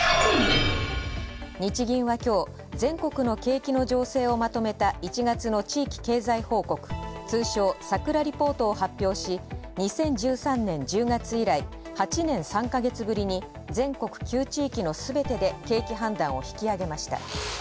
日銀はきょう全国の景気の情勢をまとめた１月の地域経済報告、通称「さくらリポート」を発表し、２０１３年１０月以来８年３ヵ月ぶりに全国９地域のすべてで景気判断を引き上げました。